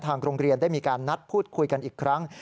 โรงเรียนได้มีการนัดพูดคุยกันอีกครั้ง